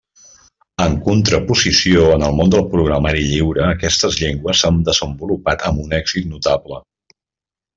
En contraposició, en el món del programari lliure aquestes llengües s'han desenvolupat amb un èxit notable.